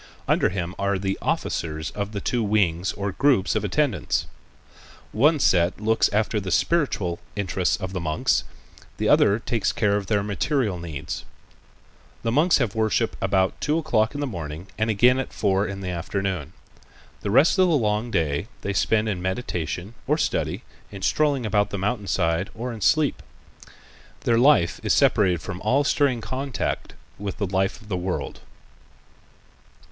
Under him are the officers of the two wings or groups of attendants. One set looks after the spiritual interests, of the monks; the other takes care of their material needs: The monks have worship about two o'clock in the morning and again at about four in the afternoon. The rest of the long day they spend in meditation, or study, in strolling about the mountain side or in sleep. Their life is separated from all stirring contact with the life of the world.